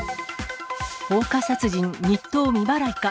放火殺人、日当未払いか。